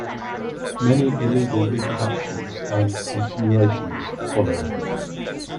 Many illegal reproductions and "continuations" followed.